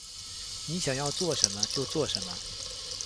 你想要做什么？就做什么